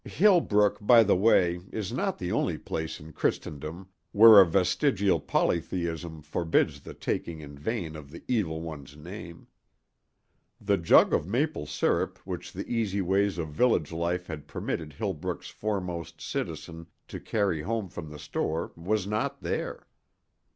Hillbrook, by the way, is not the only place in Christendom where a vestigial polytheism forbids the taking in vain of the Evil One's name. The jug of maple sirup which the easy ways of village life had permitted Hillbrook's foremost citizen to carry home from the store was not there.